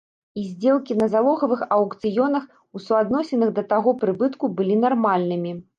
І здзелкі на залогавых аўкцыёнах у суадносінах да таго прыбытку былі нармальнымі.